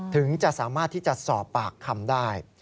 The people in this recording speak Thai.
ถึงจะสามารถที่จะสอบปากคำได้